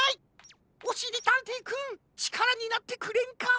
おしりたんていくんちからになってくれんか？